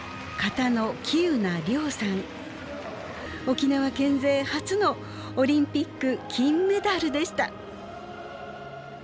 沖縄県勢初のオリンピック金メダルでした。